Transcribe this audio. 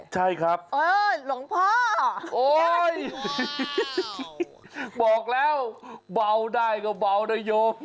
ใช่ครับเออหลวงพ่อโอ๊ยบอกแล้วเบาได้ก็เบานะโย